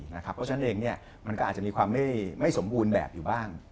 เพราะฉะนั้นเองมันก็อาจจะมีความไม่สมบูรณ์แบบอยู่บ้าง